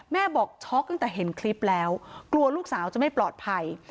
แม่บอกช็อกตั้งแต่เห็นคลิปแล้วกลัวลูกสาวจะไม่ปลอดภัย